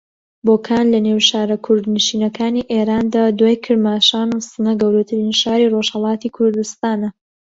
بۆکان لە نێو شارە کوردنشینەکانی ئێراندا دوای کرماشان و سنە گەورەترین شاری ڕۆژھەڵاتی کوردستانە